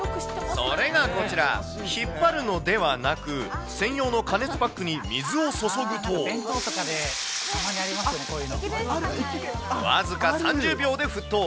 それがこちら、引っ張るのではなく、専用の加熱パックに水を注ぐと、僅か３０秒で沸騰。